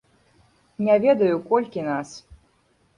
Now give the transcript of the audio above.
Не ведаю, колькі нас.